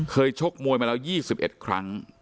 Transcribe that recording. เคยชกมวยแล้ว๒๑ครั้ง